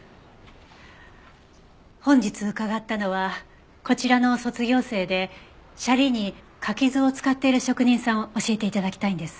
本日伺ったのはこちらの卒業生でシャリに柿酢を使っている職人さんを教えて頂きたいんです。